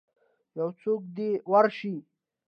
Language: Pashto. یوڅوک دی ورشئ